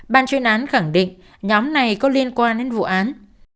bàn truyền án khẳng định nhóm này có liên quan đến vụ án